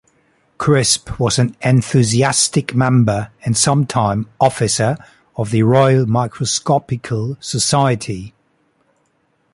Crisp was an enthusiastic member, and sometime officer, of the Royal Microscopical Society.